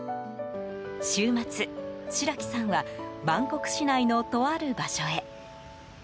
週末、白木さんはバンコク市内のとある場所へ。